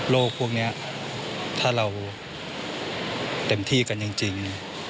พวกนี้ถ้าเราเต็มที่กันจริง